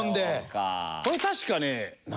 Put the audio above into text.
これ確かね